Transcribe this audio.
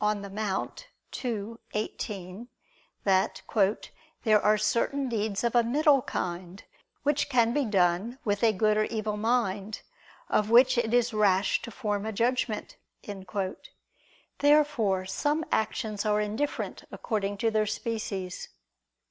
Dom. in Monte ii, 18) that "there are certain deeds of a middle kind, which can be done with a good or evil mind, of which it is rash to form a judgment." Therefore some actions are indifferent according to their species.